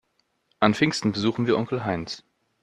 An Pfingsten besuchen wir Onkel Heinz.